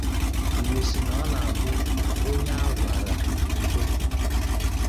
Igbo sị na ọ na-abụ onye a gwàrà kwe